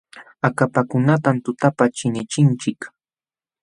Akapakunatam tutapa chinichinchik.